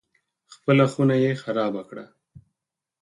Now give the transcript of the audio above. خپله خونه یې خرابه کړه.